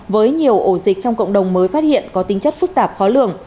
với nhiều ổ dịch trong cộng đồng mới phát hiện có tính chất phức tạp khó lường